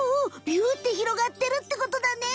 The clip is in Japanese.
ビュッてひろがってるってことだね。